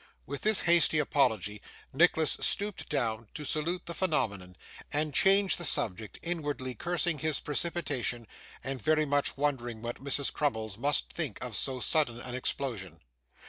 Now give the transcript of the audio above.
With this hasty apology Nicholas stooped down to salute the Phenomenon, and changed the subject; inwardly cursing his precipitation, and very much wondering what Mrs. Crummles must think of so sudden an explosion.